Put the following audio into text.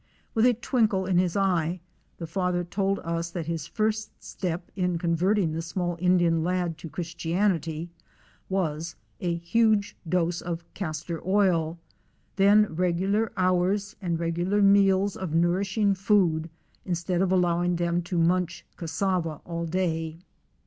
With a twinkle in his eye the Father told us that his first step in converting the small Indian lad to Christianity was a huge dose of castor oil; then regular hours and regular meals of nourishing food, instead of allowing them to munch cassava all day.